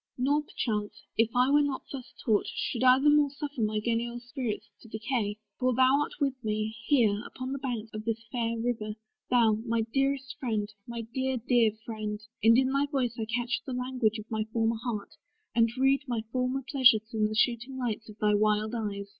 Nor, perchance, If I were not thus taught, should I the more Suffer my genial spirits to decay: For thou art with me, here, upon the banks Of this fair river; thou, my dearest Friend, My dear, dear Friend, and in thy voice I catch The language of my former heart, and read My former pleasures in the shooting lights Of thy wild eyes.